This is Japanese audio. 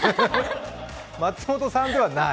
松本さんではない？